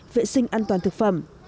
vệ sinh an toàn thực phẩm